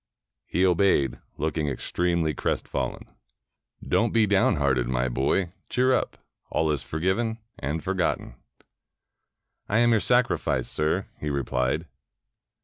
He obeyed, looking extremely crestfallen. 402 THE PRINCE WHO LOST HIS BOOK "Don't be downhearted, my boy. Cheer up. All is forgiven and forgotten." "I am your sacrifice, sir," he replied.